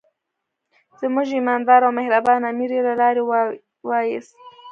زموږ ایماندار او مهربان امیر یې له لارې وایست.